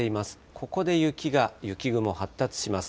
ここで雪が、雪雲、発達します。